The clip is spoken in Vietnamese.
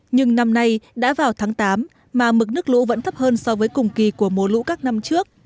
nhưng năm nay đã vào tháng tám mà mực nước lũ vẫn thấp hơn so với cùng kỳ của mùa lũ các năm trước